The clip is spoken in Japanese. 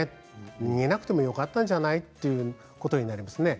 逃げなくてもよかったんじゃないということになります。